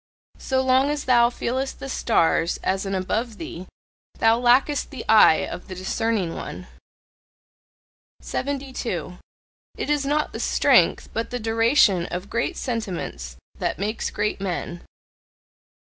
So long as thou feelest the stars as an "above thee," thou lackest the eye of the discerning one. 72. It is not the strength, but the duration of great sentiments that makes great men.